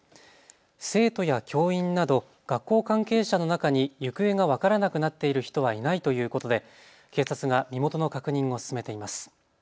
生徒や教員など学校関係者の中に行方が分からなくなっている人はいないということで警察が身元の確認を進めています。